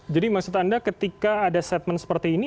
jadi maksud anda ketika ada setmen seperti ini